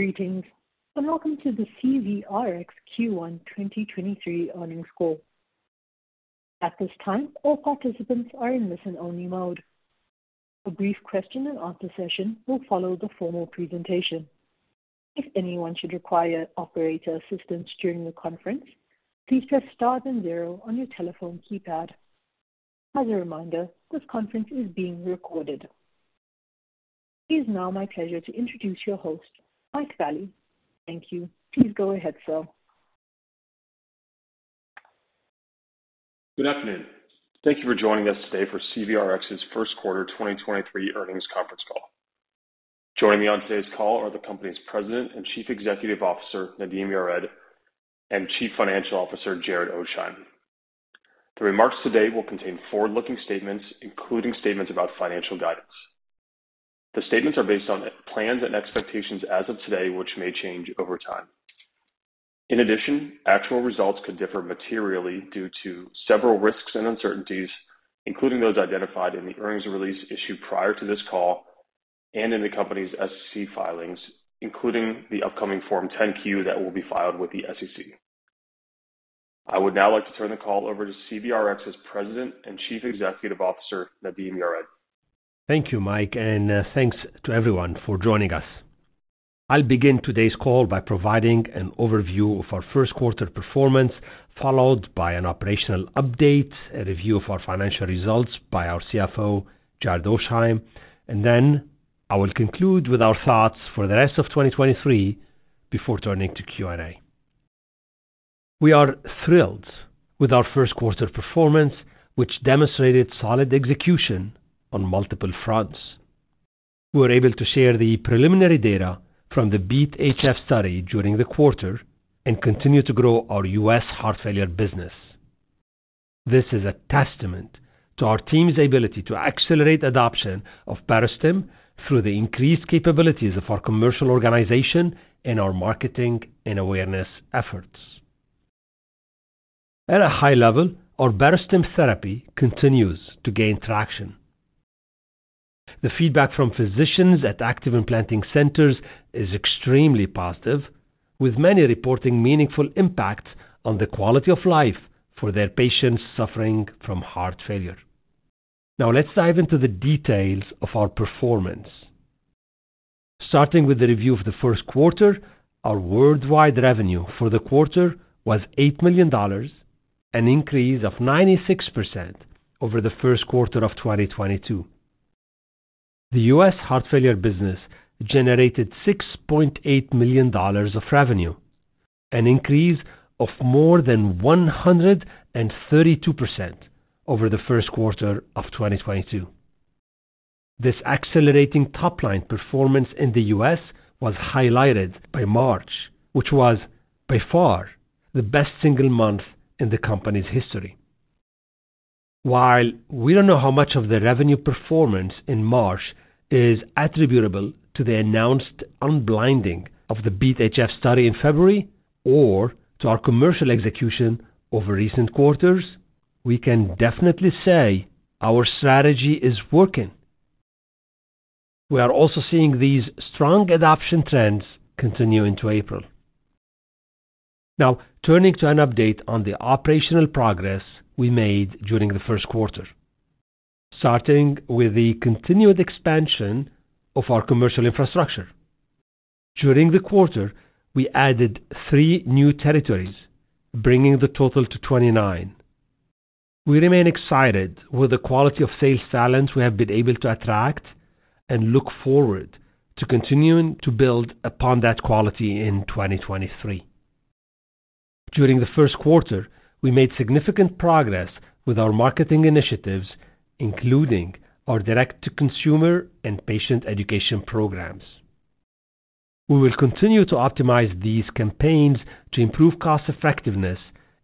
Greetings, welcome to the CVRx Q1 2023 Earnings Call. At this time, all participants are in listen-only mode. A brief question and answer session will follow the formal presentation. If anyone should require operator assistance during the conference, please press star than zero on your telephone keypad. As a reminder, this conference is being recorded. It is now my pleasure to introduce your host, Mike Vallie. Thank you. Please go ahead, sir. Good afternoon. Thank you for joining us today for CVRx's first quarter 2023 earnings conference call. Joining me on today's call are the company's President and Chief Executive Officer, Nadim Yared, and Chief Financial Officer, Jared Oasheim. The remarks today will contain forward-looking statements, including statements about financial guidance. The statements are based on plans and expectations as of today, which may change over time. In addition, actual results could differ materially due to several risks and uncertainties, including those identified in the earnings release issued prior to this call and in the company's SEC filings, including the upcoming Form 10-Q that will be filed with the SEC. I would now like to turn the call over to CVRx's President and Chief Executive Officer, Nadim Yared. Thank you, Mike, and thanks to everyone for joining us. I'll begin today's call by providing an overview of our first quarter performance, followed by an operational update, a review of our financial results by our CFO, Jared Oasheim. I will conclude with our thoughts for the rest of 2023 before turning to Q&A. We are thrilled with our first quarter performance, which demonstrated solid execution on multiple fronts. We were able to share the preliminary data from the BeAT-HF study during the quarter and continue to grow our U.S. heart failure business. This is a testament to our team's ability to accelerate adoption of Barostim through the increased capabilities of our commercial organization and our marketing and awareness efforts. At a high level, our Barostim therapy continues to gain traction. The feedback from physicians at active implanting centers is extremely positive, with many reporting meaningful impact on the quality of life for their patients suffering from heart failure. Let's dive into the details of our performance. Starting with the review of the first quarter, our worldwide revenue for the quarter was $8 million, an increase of 96% over the first quarter of 2022. The U.S. heart failure business generated $6.8 million of revenue, an increase of more than 132% over the first quarter of 2022. This accelerating top-line performance in the U.S. was highlighted by March, which was by far the best single month in the company's history. While we don't know how much of the revenue performance in March is attributable to the announced unblinding of the BeAT-HF study in February or to our commercial execution over recent quarters, we can definitely say our strategy is working. We are also seeing these strong adoption trends continue into April. Turning to an update on the operational progress we made during the first quarter. Starting with the continued expansion of our commercial infrastructure. During the quarter, we added 3 new territories, bringing the total to 29. We remain excited with the quality of sales talent we have been able to attract and look forward to continuing to build upon that quality in 2023. During the first quarter, we made significant progress with our marketing initiatives, including our direct-to-consumer and patient education programs. We will continue to optimize these campaigns to improve cost effectiveness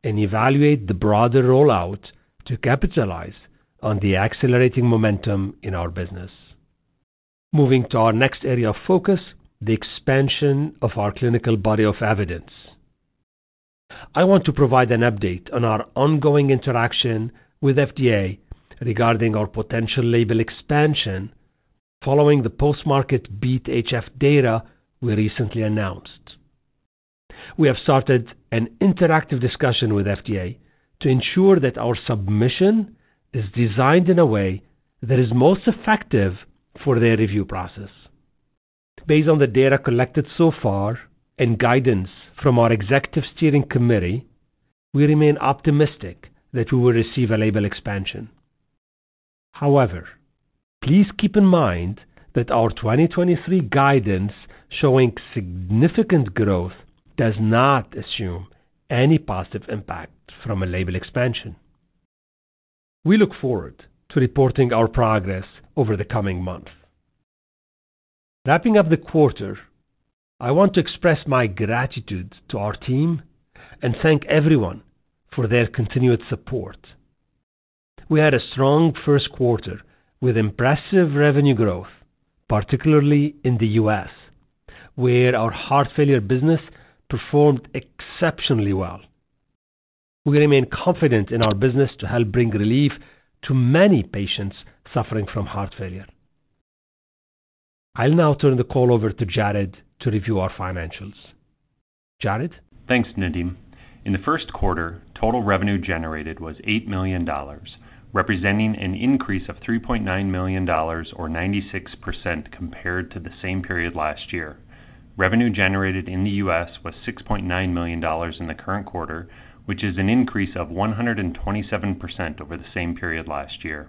and evaluate the broader rollout to capitalize on the accelerating momentum in our business. Moving to our next area of focus, the expansion of our clinical body of evidence. I want to provide an update on our ongoing interaction with FDA regarding our potential label expansion following the post-market BeAT-HF data we recently announced. We have started an interactive discussion with FDA to ensure that our submission is designed in a way that is most effective for their review process. Based on the data collected so far and guidance from our executive steering committee, we remain optimistic that we will receive a label expansion. However, please keep in mind that our 2023 guidance showing significant growth does not assume any positive impact from a label expansion. We look forward to reporting our progress over the coming months. Wrapping up the quarter, I want to express my gratitude to our team and thank everyone for their continued support. We had a strong first quarter with impressive revenue growth, particularly in the U.S., where our heart failure business performed exceptionally well. We remain confident in our business to help bring relief to many patients suffering from heart failure. I'll now turn the call over to Jared to review our financials. Jared? Thanks, Nadim. In the first quarter, total revenue generated was $8 million, representing an increase of $3.9 million or 96% compared to the same period last year. Revenue generated in the U.S. was $6.9 million in the current quarter, which is an increase of 127% over the same period last year.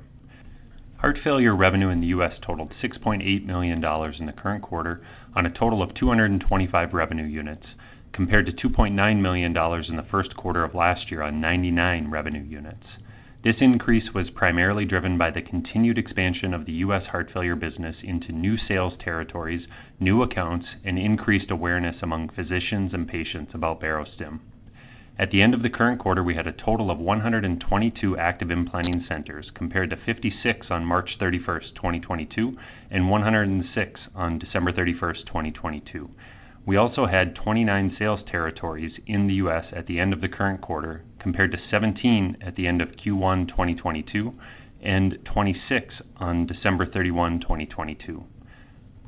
Heart failure revenue in the U.S. totaled $6.8 million in the current quarter on a total of 225 revenue units, compared to $2.9 million in the first quarter of last year on 99 revenue units. This increase was primarily driven by the continued expansion of the U.S. heart failure business into new sales territories, new accounts, and increased awareness among physicians and patients about Barostim. At the end of the current quarter, we had a total of 122 active implanting centers compared to 56 on March 31st, 2022 and 106 on December 31st, 2022. We also had 29 sales territories in the U.S. at the end of the current quarter, compared to 17 at the end of Q1 2022 and 26 on December 31st, 2022.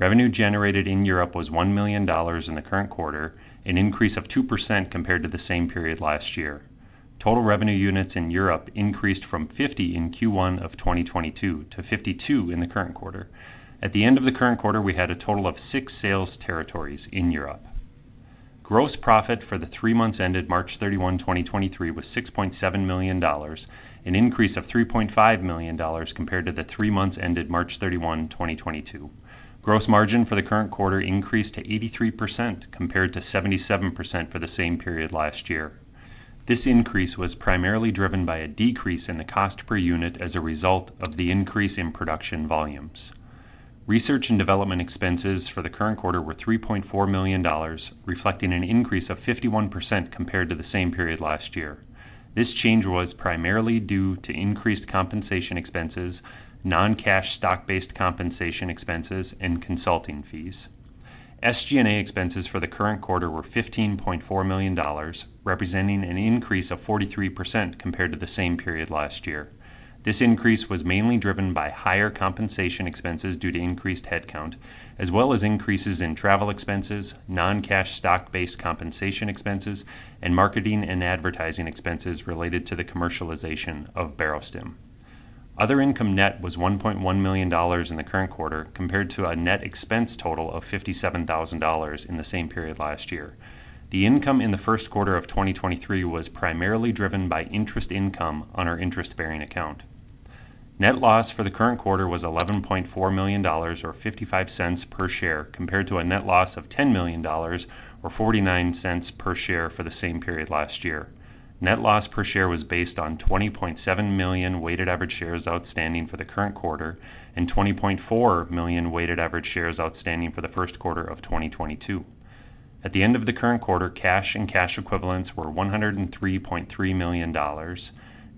Revenue generated in Europe was $1 million in the current quarter, an increase of 2% compared to the same period last year. Total revenue units in Europe increased from 50 in Q1 2022 to 52 in the current quarter. At the end of the current quarter, we had a total of six sales territories in Europe. Gross profit for the 3 months ended March 31, 2023 was $6.7 million, an increase of $3.5 million compared to the 3 months ended March 31, 2022. Gross margin for the current quarter increased to 83%, compared to 77% for the same period last year. This increase was primarily driven by a decrease in the cost per unit as a result of the increase in production volumes. Research and development expenses for the current quarter were $3.4 million, reflecting an increase of 51% compared to the same period last year. This change was primarily due to increased compensation expenses, non-cash stock-based compensation expenses, and consulting fees. SG&A expenses for the current quarter were $15.4 million, representing an increase of 43% compared to the same period last year. This increase was mainly driven by higher compensation expenses due to increased headcount, as well as increases in travel expenses, non-cash stock-based compensation expenses, and marketing and advertising expenses related to the commercialization of Barostim. Other income net was $1.1 million in the current quarter compared to a net expense total of $57,000 in the same period last year. The income in the first quarter of 2023 was primarily driven by interest income on our interest-bearing account. Net loss for the current quarter was $11.4 million or $0.55 per share, compared to a net loss of $10 million or $0.49 per share for the same period last year. Net loss per share was based on 20.7 million weighted average shares outstanding for the current quarter and 20.4 million weighted average shares outstanding for the first quarter of 2022. At the end of the current quarter, cash and cash equivalents were $103.3 million.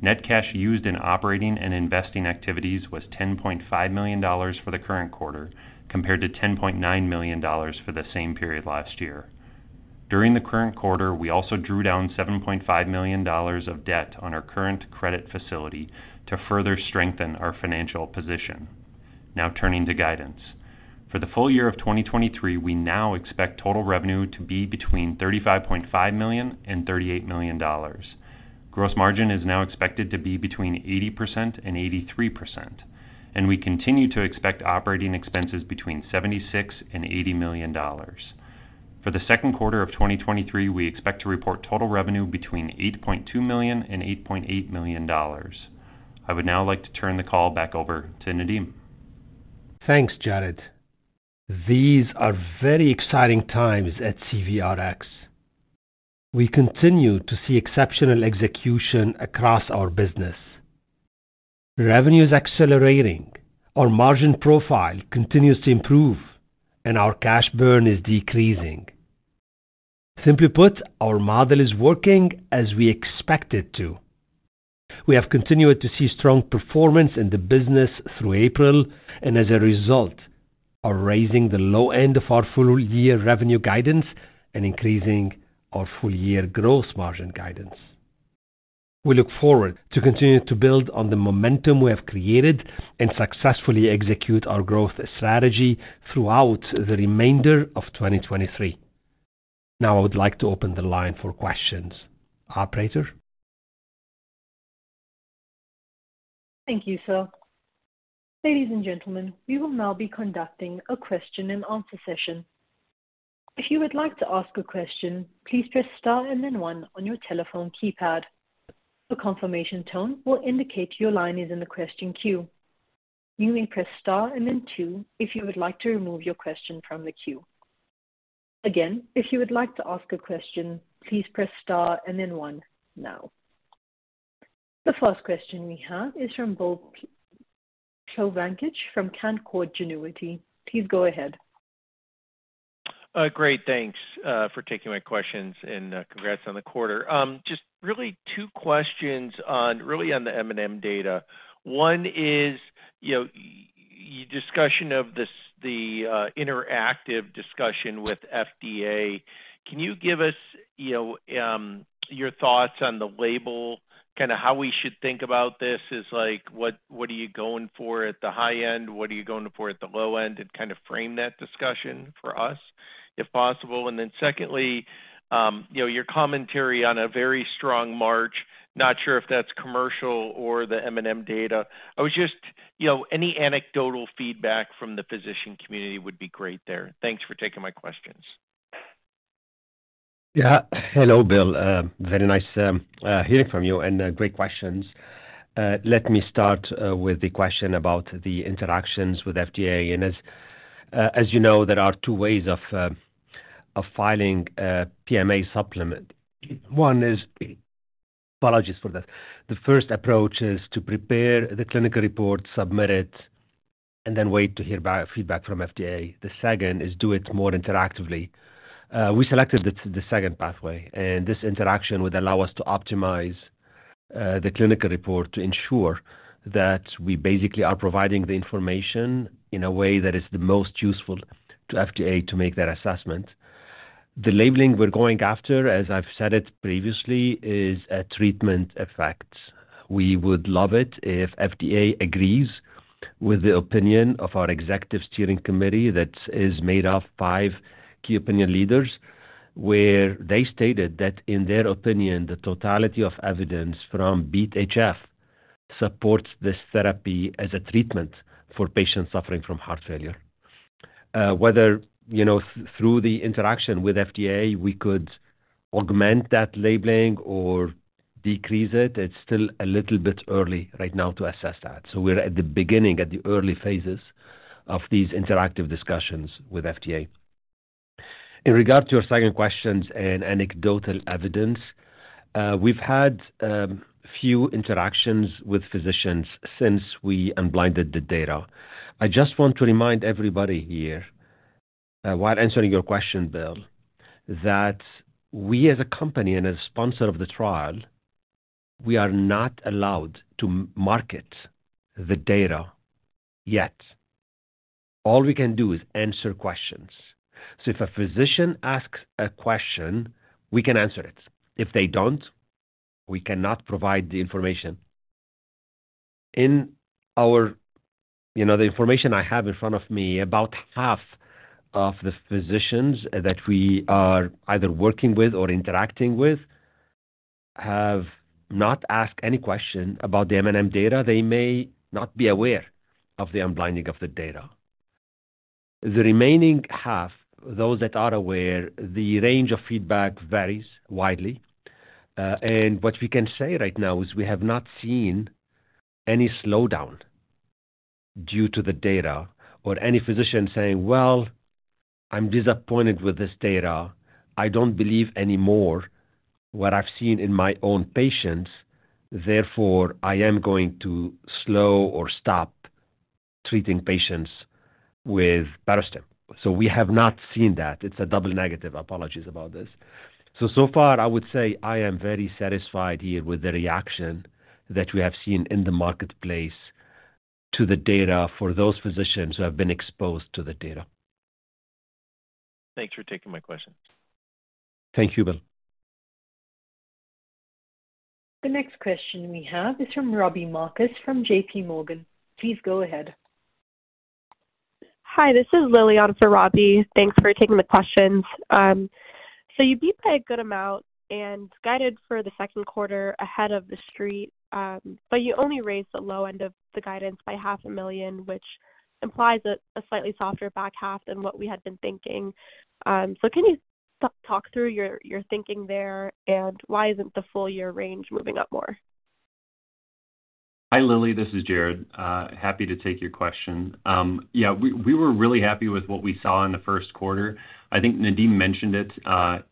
Net cash used in operating and investing activities was $10.5 million for the current quarter, compared to $10.9 million for the same period last year. During the current quarter, we also drew down $7.5 million of debt on our current credit facility to further strengthen our financial position. Turning to guidance. For the full year of 2023, we now expect total revenue to be between $35.5 million and $38 million. Gross margin is now expected to be between 80% and 83%. We continue to expect operating expenses between $76 million and $80 million. For the second quarter of 2023, we expect to report total revenue between $8.2 million and $8.8 million. I would now like to turn the call back over to Nadim. Thanks, Jared. These are very exciting times at CVRx. We continue to see exceptional execution across our business. Revenue is accelerating. Our margin profile continues to improve, and our cash burn is decreasing. Simply put, our model is working as we expect it to. We have continued to see strong performance in the business through April and as a result are raising the low end of our full year revenue guidance and increasing our full year gross margin guidance. We look forward to continuing to build on the momentum we have created and successfully execute our growth strategy throughout the remainder of 2023. Now I would like to open the line for questions. Operator? Thank you, sir. Ladies and gentlemen, we will now be conducting a question and answer session. If you would like to ask a question, please press star and then one on your telephone keypad. A confirmation tone will indicate your line is in the question queue. You may press star and then two if you would like to remove your question from the queue. Again, if you would like to ask a question, please press star and then one now. The first question we have is from Bill Plovanic from Canaccord Genuity. Please go ahead. Great. Thanks for taking my questions and congrats on the quarter. Just really two questions really on the M&M data. One is, your discussion of the interactive discussion with FDA, can you give us, you know, your thoughts on the label, kind of how we should think about this as like, what are you going for at the high end? What are you going for at the low end? Kind of frame that discussion for us, if possible. Secondly, you know, your commentary on a very strong March. Not sure if that's commercial or the M&M data. You know, any anecdotal feedback from the physician community would be great there. Thanks for taking my questions. Yeah. Hello, Bill. Very nice hearing from you and great questions. Let me start with the question about the interactions with FDA. As you know, there are two ways of filing a PMA supplement. One is... Apologies for that. The first approach is to prepare the clinical report, submit it, and then wait to hear back feedback from FDA. The second is do it more interactively. We selected the second pathway. This interaction would allow us to optimize the clinical report to ensure that we basically are providing the information in a way that is the most useful to FDA to make that assessment. The labeling we're going after, as I've said it previously, is a treatment effect. We would love it if FDA agrees with the opinion of our executive steering committee that is made of five key opinion leaders, where they stated that, in their opinion, the totality of evidence from BeAT-HF supports this therapy as a treatment for patients suffering from heart failure. Whether, you know, through the interaction with FDA, we could augment that labeling or decrease it's still a little bit early right now to assess that. We're at the beginning, at the early phases of these interactive discussions with FDA. In regard to your second questions and anecdotal evidence, we've had few interactions with physicians since we unblinded the data. I just want to remind everybody here, while answering your question, Bill, that we as a company and as sponsor of the trial, we are not allowed to market the data yet. All we can do is answer questions. If a physician asks a question, we can answer it. If they don't, we cannot provide the information. You know, the information I have in front of me, about half of the physicians that we are either working with or interacting with have not asked any question about the M&M data. They may not be aware of the unblinding of the data. The remaining half, those that are aware, the range of feedback varies widely. What we can say right now is we have not seen any slowdown due to the data or any physician saying, "Well, I'm disappointed with this data. I don't believe anymore what I've seen in my own patients, therefore, I am going to slow or stop treating patients with Barostim." We have not seen that. It's a double negative. Apologies about this. So far I would say I am very satisfied here with the reaction that we have seen in the marketplace to the data for those physicians who have been exposed to the data. Thanks for taking my questions. Thank you, Bill. The next question we have is from Robbie Marcus from J.P. Morgan. Please go ahead. Hi, this is Lily on for Robbie. Thanks for taking the questions. You beat by a good amount and guided for the second quarter ahead of the street. You only raised the low end of the guidance by $500,00 which implies a slightly softer back half than what we had been thinking. Can you talk through your thinking there, and why isn't the full year range moving up more? Hi, Lily, this is Jared. Happy to take your question. Yeah, we were really happy with what we saw in the 1st quarter. I think Nadim mentioned it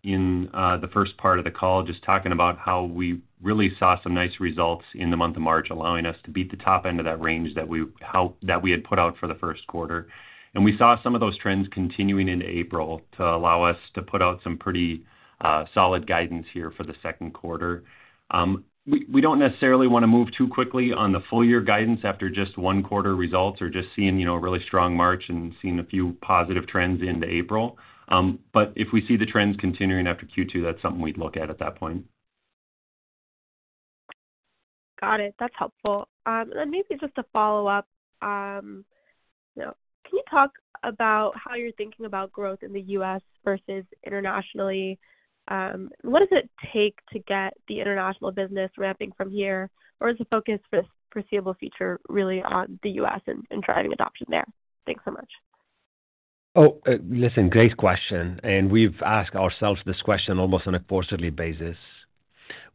in the 1st part of the call, just talking about how we really saw some nice results in the month of March, allowing us to beat the top end of that range that we had put out for the 1st quarter. We saw some of those trends continuing into April to allow us to put out some pretty solid guidance here for the 2nd quarter. We don't necessarily wanna move too quickly on the full year guidance after just 1 quarter results or just seeing, you know, a really strong March and seeing a few positive trends into April. If we see the trends continuing after Q2, that's something we'd look at at that point. Got it. That's helpful. Maybe just a follow-up. You know, can you talk about how you're thinking about growth in the U.S. versus internationally? What does it take to get the international business ramping from here? Is the focus for the foreseeable future really on the U.S. and driving adoption there? Thanks so much. Listen, great question. We've asked ourselves this question almost on a quarterly basis.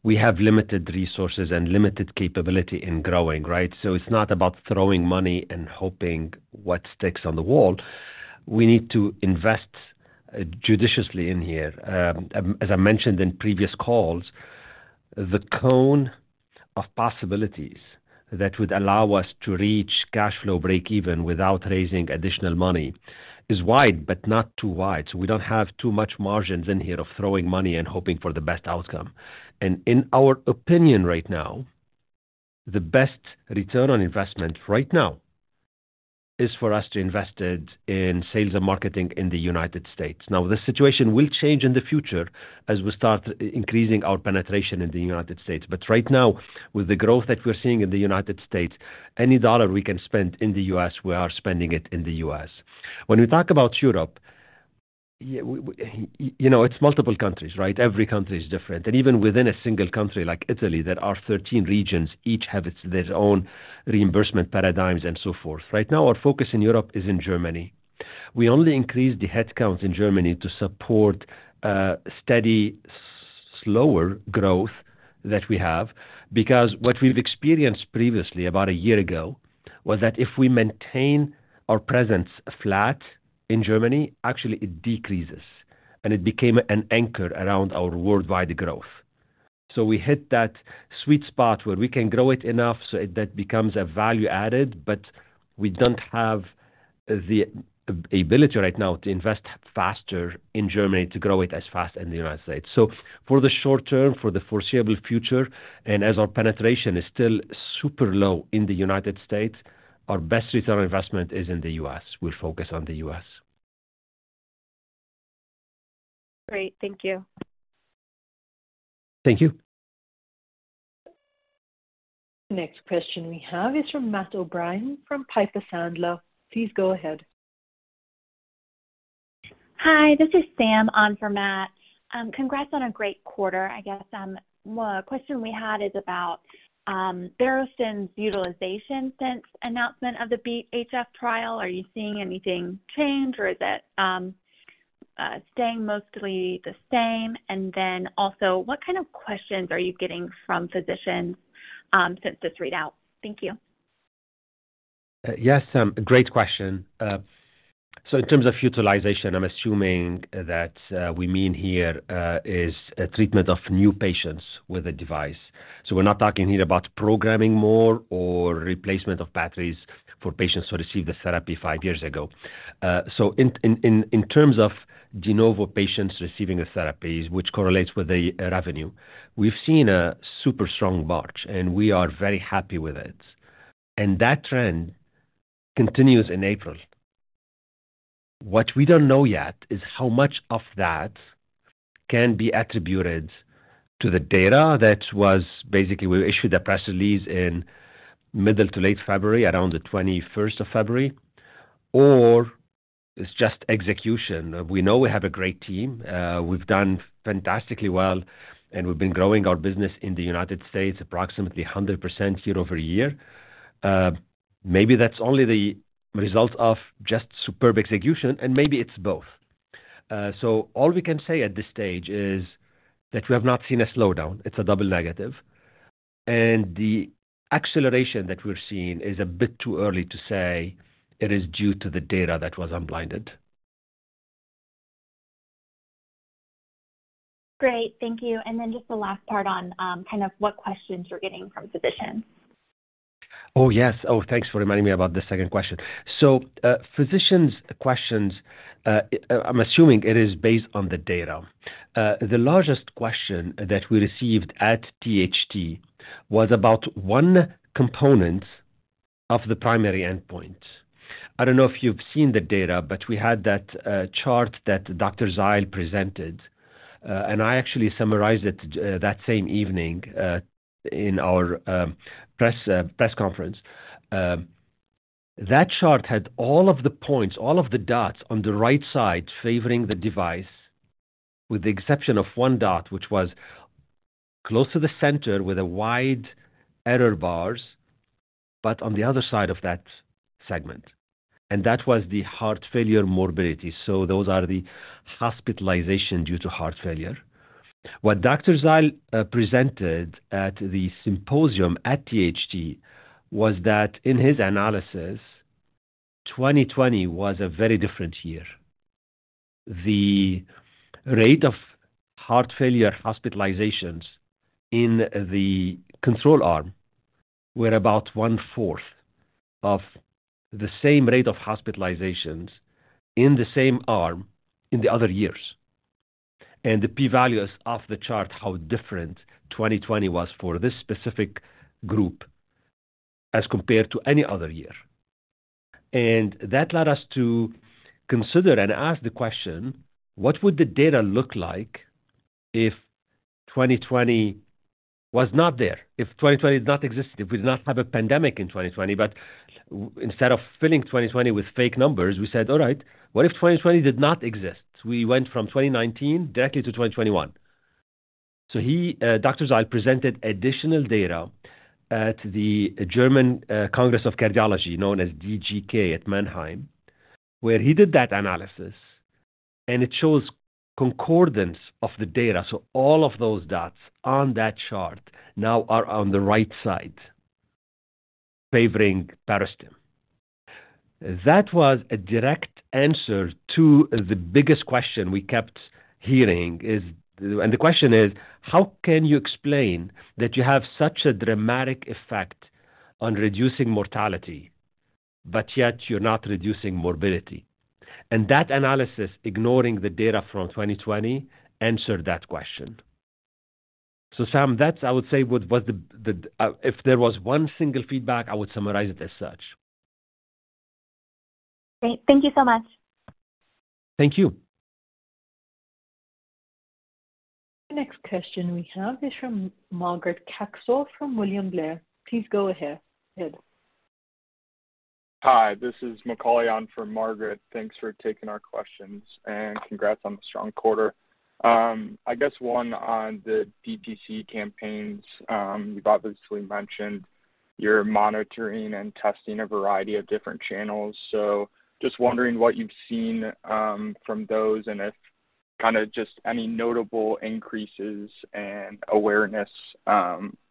We have limited resources and limited capability in growing, right? It's not about throwing money and hoping what sticks on the wall. We need to invest judiciously in here. As I mentioned in previous calls, the cone of possibilities that would allow us to reach cash flow break even without raising additional money is wide but not too wide. We don't have too much margins in here of throwing money and hoping for the best outcome. In our opinion right now, the best ROI right now is for us to invest it in sales and marketing in the United States. This situation will change in the future as we start increasing our penetration in the United States. Right now, with the growth that we're seeing in the United States, any dollar we can spend in the U.S., we are spending it in the U.S. When we talk about Europe, yeah, we... You know, it's multiple countries, right? Every country is different. Even within a single country like Italy, there are 13 regions, each have their own reimbursement paradigms and so forth. Right now, our focus in Europe is in Germany. We only increased the headcount in Germany to support steady slower growth that we have because what we've experienced previously about a year ago was that if we maintain our presence flat in Germany, actually it decreases, and it became an anchor around our worldwide growth. We hit that sweet spot where we can grow it enough so that becomes a value added, but we don't have the ability right now to invest faster in Germany to grow it as fast as in the United States. For the short term, for the foreseeable future, and as our penetration is still super low in the United States, our best return on investment is in the U.S. We're focused on the U.S. Great. Thank you. Thank you. Next question we have is from Matt O'Brien from Piper Sandler. Please go ahead. Hi, this is Sam on for Matt. Congrats on a great quarter. I guess, a question we had is about Barostim's utilization since announcement of the BeAT-HF trial. Are you seeing anything change, or is it staying mostly the same? Also, what kind of questions are you getting from physicians since this readout? Thank you. Yes, great question. In terms of utilization, I'm assuming that we mean here is a treatment of new patients with a device. We're not talking here about programming more or replacement of batteries for patients who received the therapy five years ago. In terms of de novo patients receiving the therapies, which correlates with the revenue, we've seen a super strong March, and we are very happy with it. That trend continues in April. What we don't know yet is how much of that can be attributed to the data that was basically we issued a press release in middle to late February, around the twenty-first of February, or it's just execution. We know we have a great team. We've done fantastically well, and we've been growing our business in the United States approximately 100% year-over-year. maybe that's only the result of just superb execution, and maybe it's both. So all we can say at this stage is that we have not seen a slowdown. It's a double negative. The acceleration that we're seeing is a bit too early to say it is due to the data that was unblinded. Great. Thank you. Just the last part on, kind of what questions you're getting from physicians. Oh, yes. Oh, thanks for reminding me about the second question. Physicians questions, I'm assuming it is based on the data. The largest question that we received at THT was about one component of the primary endpoint. I don't know if you've seen the data, but we had that chart that Dr. Zile presented, and I actually summarized it that same evening in our press conference. That chart had all of the points, all of the dots on the right side favoring the device with the exception of one dot which was close to the center with a wide error bars, but on the other side of that segment. That was the heart failure morbidity. Those are the hospitalization due to heart failure. What Dr. Zile presented at the symposium at THT was that in his analysis, 2020 was a very different year. The rate of heart failure hospitalizations in the control arm were about one-fourth of the same rate of hospitalizations in the same arm in the other years. The P-value is off the chart how different 2020 was for this specific group as compared to any other year. That led us to consider and ask the question, "What would the data look like if 2020 was not there? If 2020 did not exist, if we did not have a pandemic in 2020?" Instead of filling 2020 with fake numbers, we said, "All right. What if 2020 did not exist?" We went from 2019 directly to 2021. He, Dr. Zile presented additional data at the German Congress of Cardiology known as DGK at Mannheim, where he did that analysis and it shows concordance of the data. All of those dots on that chart now are on the right side favoring Barostim. That was a direct answer to the biggest question we kept hearing, "How can you explain that you have such a dramatic effect on reducing mortality, but yet you're not reducing morbidity?" That analysis, ignoring the data from 2020, answered that question. Sam, that's I would say what was the If there was one single feedback, I would summarize it as such. Great. Thank you so much. Thank you. The next question we have is from Margaret Kaczor from William Blair. Please go ahead. Hi, this is Macaulay on for Margaret. Thanks for taking our questions and congrats on the strong quarter. I guess one on the DTC campaigns. You've obviously mentioned you're monitoring and testing a variety of different channels. Just wondering what you've seen from those and if kinda just any notable increases and awareness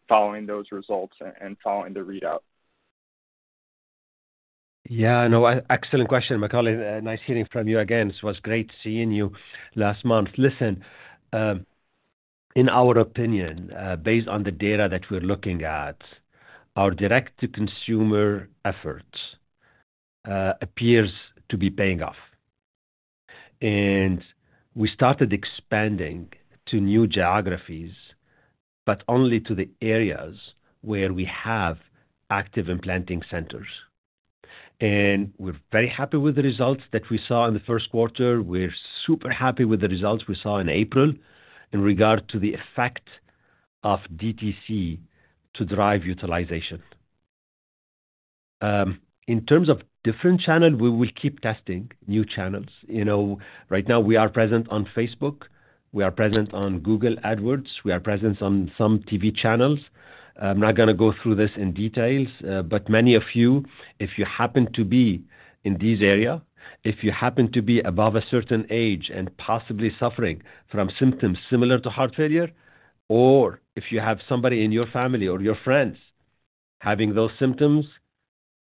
following those results and following the readout. Yeah. No, excellent question, Macaulay. Nice hearing from you again. It was great seeing you last month. Listen, in our opinion, based on the data that we're looking at, our direct-to-consumer efforts appears to be paying off. We started expanding to new geographies, but only to the areas where we have active implanting centers. We're very happy with the results that we saw in the first quarter. We're super happy with the results we saw in April in regard to the effect of DTC to drive utilization. In terms of different channels, we will keep testing new channels. You know, right now we are present on Facebook, we are present on Google Ads, we are present on some TV channels. I'm not going to go through this in details, but many of you, if you happen to be in this area, if you happen to be above a certain age and possibly suffering from symptoms similar to heart failure, or if you have somebody in your family or your friends having those symptoms,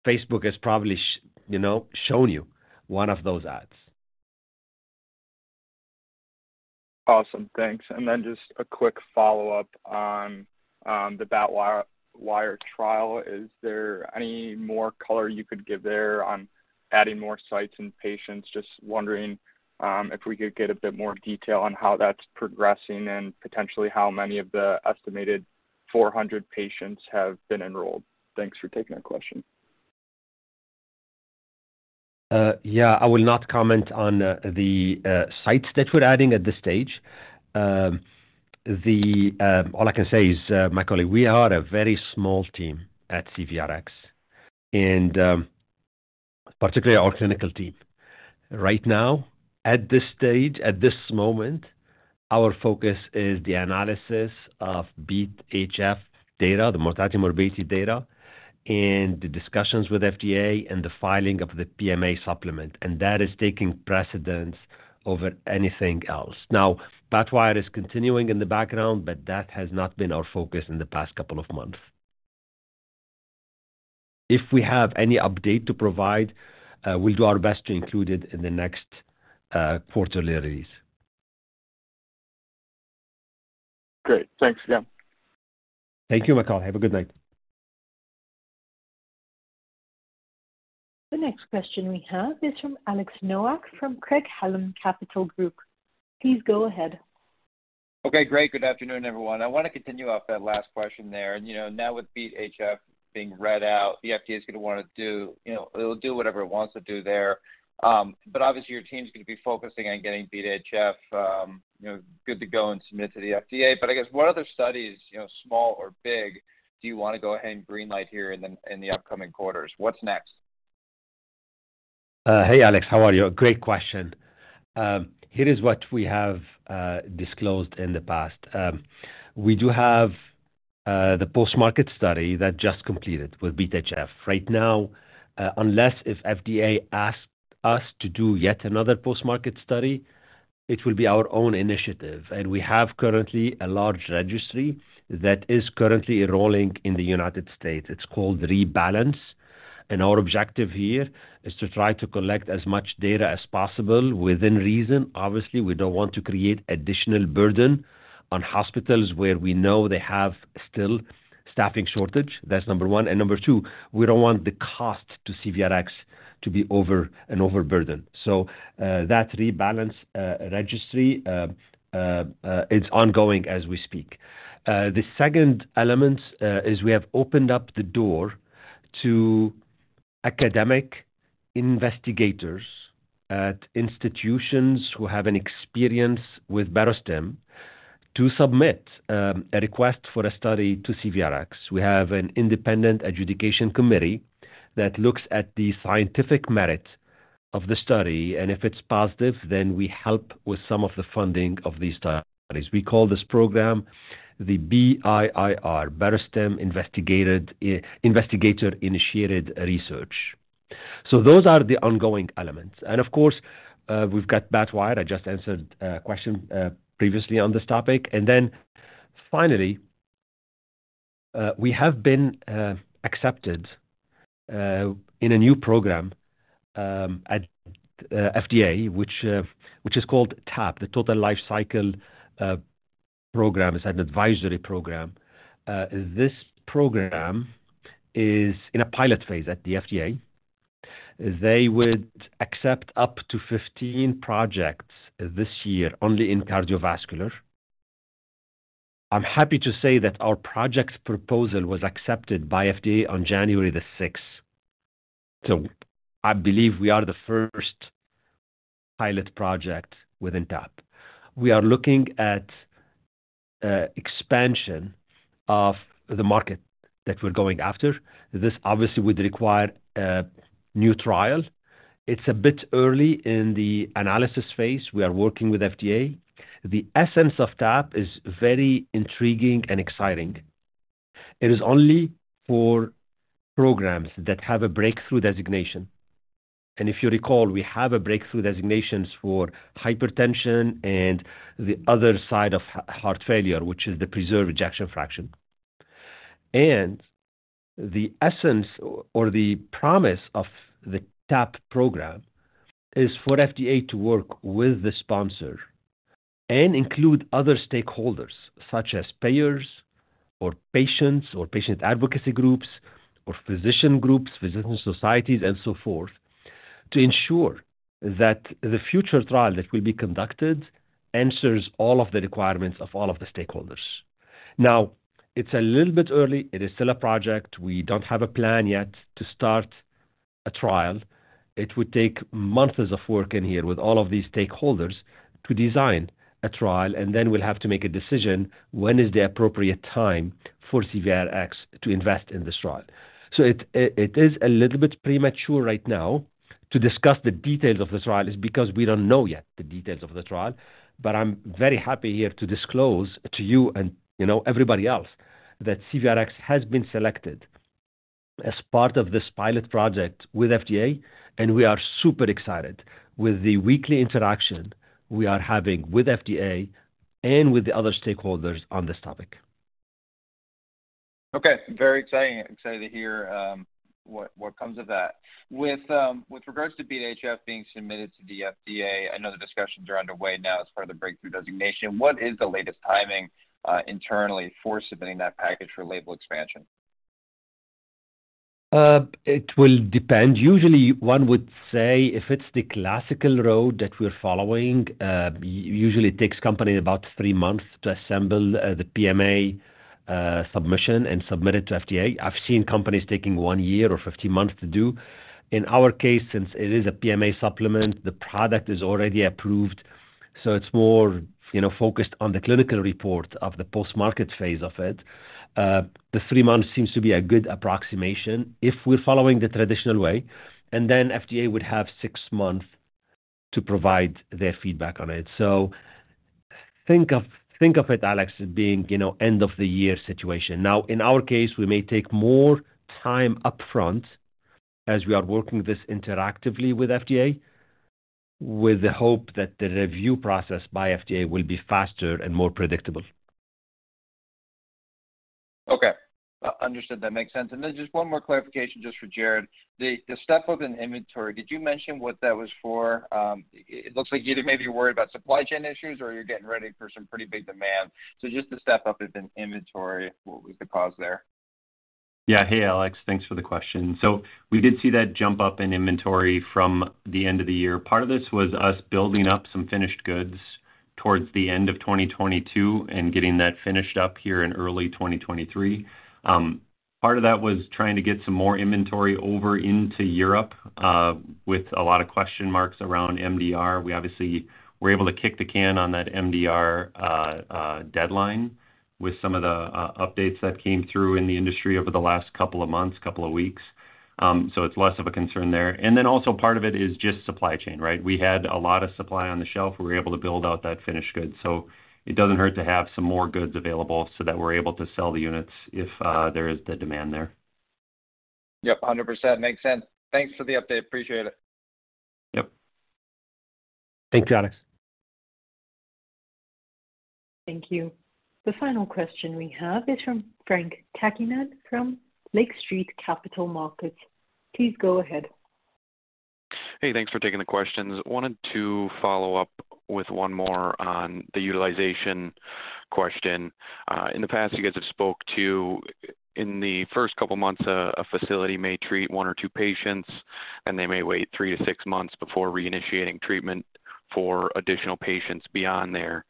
Facebook has probably you know, shown you one of those ads. Awesome. Thanks. Just a quick follow-up on the BATwire trial. Is there any more color you could give there on adding more sites and patients? Just wondering, if we could get a bit more detail on how that's progressing and potentially how many of the estimated 400 patients have been enrolled? Thanks for taking that question. Yeah, I will not comment on the sites that we're adding at this stage. All I can say is, Macaulay, we are a very small team at CVRx and, particularly our clinical team. Right now at this stage, at this moment, our focus is the analysis of BeAT-HF data, the mortality-morbidity data, and the discussions with FDA and the filing of the PMA supplement, and that is taking precedence over anything else. Now, BATwire is continuing in the background, but that has not been our focus in the past couple of months. If we have any update to provide, we'll do our best to include it in the next quarterly release. Great. Thanks again. Thank you, Macaulay. Have a good night. The next question we have is from Alex Nowak from Craig-Hallum Capital Group. Please go ahead. Okay, great. Good afternoon, everyone. I want to continue off that last question there. You know, now with BeAT-HF being read out, the FDA is going to wanna do. You know, it'll do whatever it wants to do there. Obviously your team is going to be focusing on getting BeAT-HF, you know, good to go and submit to the FDA. I guess what other studies, you know, small or big, do you want to go ahead and green light here in the, in the upcoming quarters? What's next? Hey, Alex. How are you? Great question. Here is what we have disclosed in the past. We do have the post-market study that just completed with BeAT-HF. Right now, unless if FDA asks us to do yet another post-market study, it will be our own initiative. We have currently a large registry that is currently enrolling in the United States. It's called REBALANCE, and our objective here is to try to collect as much data as possible within reason. Obviously, we don't want to create additional burden on hospitals where we know they have still staffing shortage. That's number one. Number two, we don't want the cost to CVRx to be an overburden. That REBALANCE registry, it's ongoing as we speak. The second element is we have opened up the door to academic investigators at institutions who have an experience with Barostim to submit a request for a study to CVRx. We have an independent adjudication committee that looks at the scientific merit of the study, and if it's positive, then we help with some of the funding of these studies. We call this program the BIIR, Barostim Investigator Initiated Research. Those are the ongoing elements. Of course, we've got BATwire. I just answered a question previously on this topic. Finally, we have been accepted in a new program at FDA, which is called TAP, the Total Life Cycle program. It's an advisory program. This program is in a pilot phase at the FDA. They would accept up to 15 projects this year only in cardiovascular. I'm happy to say that our project proposal was accepted by FDA on January the 6th. I believe we are the first pilot project within TAP. We are looking at expansion of the market that we're going after. This obviously would require a new trial. It's a bit early in the analysis phase. We are working with FDA. The essence of TAP is very intriguing and exciting. It is only for programs that have a Breakthrough designation. If you recall, we have a Breakthrough designations for hypertension and the other side of heart failure, which is the preserved ejection fraction. The essence or the promise of the TAP program is for FDA to work with the sponsor and include other stakeholders such as payers or patients or patient advocacy groups or physician groups, physician societies, and so forth, to ensure that the future trial that will be conducted answers all of the requirements of all of the stakeholders. It's a little bit early. It is still a project. We don't have a plan yet to start a trial. It would take months of work in here with all of these stakeholders to design a trial, and then we'll have to make a decision when is the appropriate time for CVRx to invest in this trial. It is a little bit premature right now to discuss the details of the trial is because we don't know yet the details of the trial. I'm very happy here to disclose to you and, you know, everybody else that CVRx has been selected as part of this pilot project with FDA, and we are super excited with the weekly interaction we are having with FDA and with the other stakeholders on this topic. Okay. Very exciting. Excited to hear what comes of that. With regards to BeAT-HF being submitted to the FDA, I know the discussions are underway now as part of the Breakthrough designation. What is the latest timing internally for submitting that package for label expansion? It will depend. Usually, one would say if it's the classical road that we're following, usually it takes company about 3 months to assemble the PMA submission and submit it to FDA. I've seen companies taking 1 year or 15 months to do. In our case, since it is a PMA supplement, the product is already approved, so it's more, you know, focused on the clinical report of the post-market phase of it. The 3 months seems to be a good approximation if we're following the traditional way, and then FDA would have 6 months to provide their feedback on it. Think of it, Alex, as being, you know, end of the year situation. In our case, we may take more time upfront as we are working this interactively with FDA, with the hope that the review process by FDA will be faster and more predictable. Okay. Understood. That makes sense. Just one more clarification just for Jared. The step up in inventory, did you mention what that was for? It looks like you either may be worried about supply chain issues or you're getting ready for some pretty big demand. Just the step up in inventory, what we could pause there. Yeah. Hey, Alex. Thanks for the question. We did see that jump up in inventory from the end of the year. Part of this was us building up some finished goods towards the end of 2022 and getting that finished up here in early 2023. Part of that was trying to get some more inventory over into Europe with a lot of question marks around MDR. We obviously were able to kick the can on that MDR deadline with some of the updates that came through in the industry over the last couple of months, couple of weeks. It's less of a concern there. Also part of it is just supply chain, right? We had a lot of supply on the shelf. We were able to build out that finished goods. It doesn't hurt to have some more goods available so that we're able to sell the units if there is the demand there. Yep, 100%. Makes sense. Thanks for the update. Appreciate it. Yep. Thank you, Alex. Thank you. The final question we have is from Frank Takkinen from Lake Street Capital Markets. Please go ahead. Hey, thanks for taking the questions. Wanted to follow up with one more on the utilization question. In the past, you guys have spoke to in the first couple of months, a facility may treat one or two patients, and they may wait three to six months before reinitiating treatment for additional patients beyond there.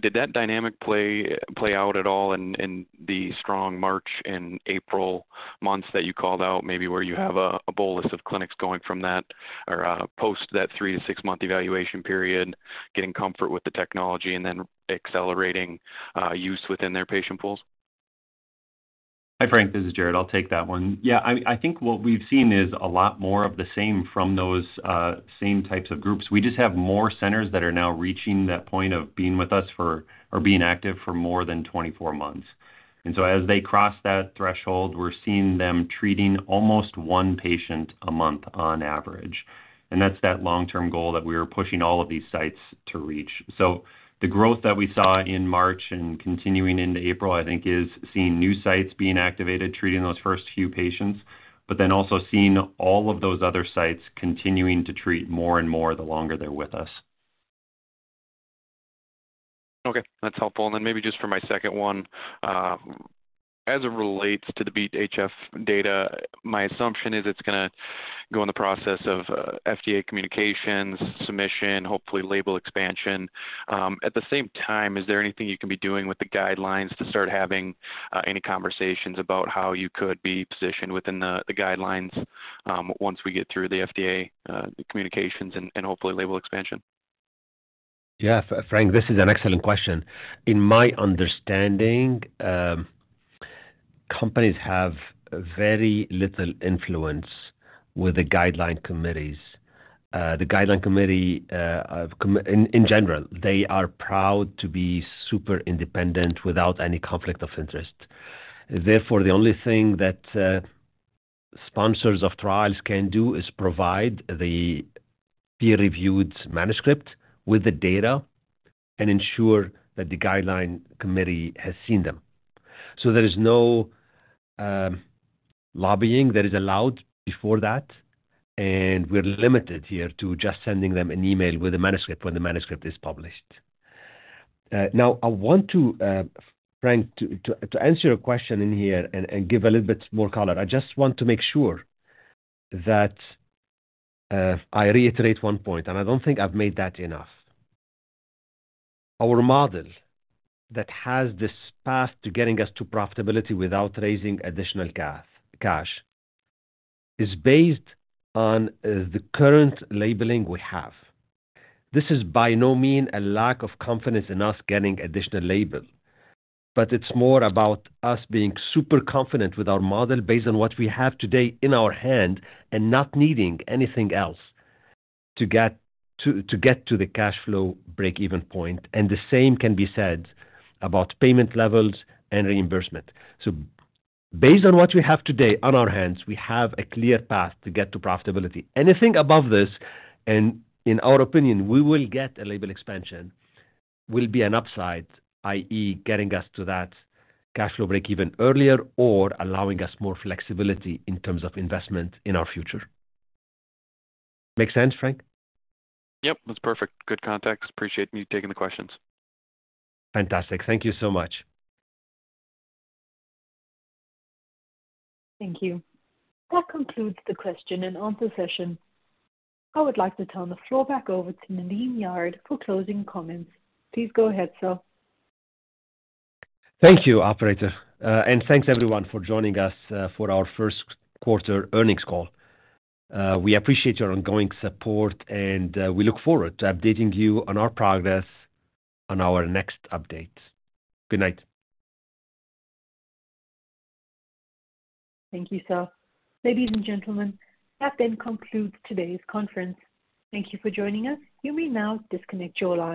Did that dynamic play out at all in the strong March and April months that you called out, maybe where you have a bolus of clinics going from that or post that three to six-month evaluation period, getting comfort with the technology and then accelerating use within their patient pools? Hi, Frank Takkinen. This is Jared Oasheim. I'll take that one. Yeah, I think what we've seen is a lot more of the same from those same types of groups. We just have more centers that are now reaching that point of being with us for or being active for more than 24 months. As they cross that threshold, we're seeing them treating almost 1 patient a month on average. That's that long-term goal that we are pushing all of these sites to reach. The growth that we saw in March and continuing into April, I think, is seeing new sites being activated, treating those first few patients, also seeing all of those other sites continuing to treat more and more the longer they're with us. Okay, that's helpful. Maybe just for my second one. As it relates to the BeAT-HF data, my assumption is it's gonna go in the process of FDA communications, submission, hopefully label expansion. At the same time, is there anything you can be doing with the guidelines to start having any conversations about how you could be positioned within the guidelines once we get through the FDA communications and hopefully label expansion? Yeah, Frank, this is an excellent question. In my understanding, companies have very little influence with the guideline committees. The guideline committee, in general, they are proud to be super independent without any conflict of interest. Therefore, the only thing that sponsors of trials can do is provide the peer-reviewed manuscript with the data and ensure that the guideline committee has seen them. There is no lobbying that is allowed before that, and we're limited here to just sending them an email with a manuscript when the manuscript is published. Now I want to, Frank, to answer your question in here and give a little bit more color. I just want to make sure that I reiterate one point, and I don't think I've made that enough. Our model that has this path to getting us to profitability without raising additional cash is based on the current labeling we have. This is by no mean a lack of confidence in us getting additional label, but it's more about us being super confident with our model based on what we have today in our hand and not needing anything else to get to the cash flow break-even point. The same can be said about payment levels and reimbursement. Based on what we have today on our hands, we have a clear path to get to profitability. Anything above this, and in our opinion, we will get a label expansion, will be an upside, i.e., getting us to that cash flow break-even earlier or allowing us more flexibility in terms of investment in our future. Make sense, Frank? Yep, that's perfect. Good context. Appreciate me taking the questions. Fantastic. Thank you so much. Thank you. That concludes the question and answer session. I would like to turn the floor back over to Nadim Yared for closing comments. Please go ahead, sir. Thank you, operator. Thanks everyone for joining us for our first quarter earnings call. We appreciate your ongoing support, we look forward to updating you on our progress on our next update. Good night. Thank you, sir. Ladies and gentlemen, that then concludes today's conference. Thank you for joining us. You may now disconnect your line.